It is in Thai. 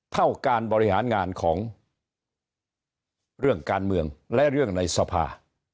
เท่าการบริหารงานของเรื่องการเมืองและเรื่องในสภา